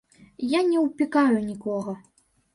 Я не ўпікаю нікога.